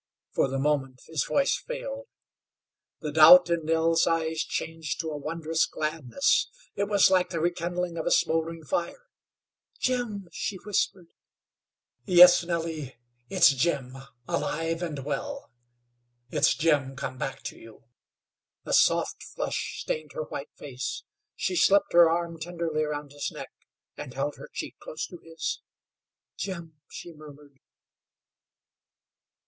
For the moment his voice failed. The doubt in Nell's eyes changed to a wondrous gladness. It was like the rekindling of a smoldering fire. "Jim?" she whispered. "Yes, Nellie, it's Jim alive and well. It's Jim come back to you." A soft flush stained her white face. She slipped her arm tenderly around his neck, and held her cheek close to his. "Jim," she murmured.